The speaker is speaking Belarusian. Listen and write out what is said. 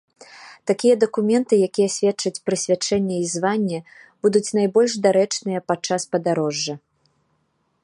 Такія дакументы, якія сведчаць прысвячэнне і званне, будуць найбольш дарэчныя падчас падарожжа.